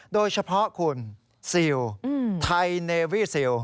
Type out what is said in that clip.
โดยเฉพาะคุณซิลไทยเนวี่ซิล